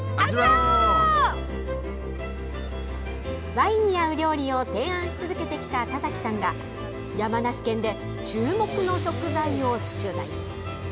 ワインに合う料理を提案し続けてきた田崎さんが山梨県で注目の食材を取材。